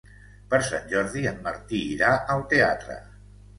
Per Sant Jordi en Martí irà al teatre.